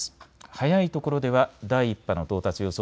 早いところでは第１波の到達予想